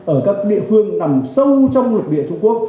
ở các địa phương nằm sâu trong lục địa trung quốc